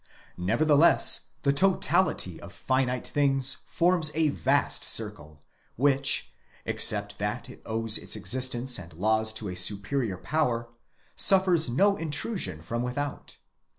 Nevertheless the totality of finite things forms a vast circle, which, except that it owes its existence and laws to a superior power, suffers no intrusion from without.